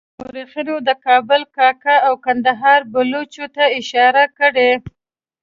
مورخینو د کابل کاکه او کندهار پایلوچ ته اشاره کړې.